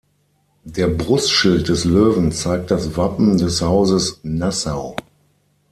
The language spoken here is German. Der Brustschild des Löwen zeigt das Wappen des Hauses Nassau.